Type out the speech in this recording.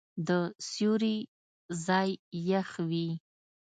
د سیوري ځای یخ وي.